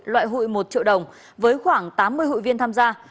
loại hội một triệu đồng với khoảng tám mươi hội viên tham gia